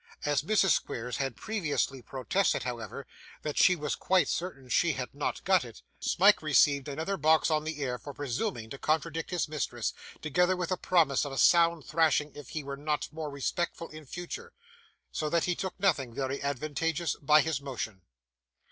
As Mrs. Squeers had previously protested, however, that she was quite certain she had not got it, Smike received another box on the ear for presuming to contradict his mistress, together with a promise of a sound thrashing if he were not more respectful in future; so that he took nothing very advantageous by his motion.